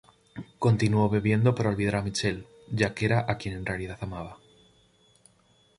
Continuó bebiendo para olvidar a Michelle, ya que era a quien en realidad amaba.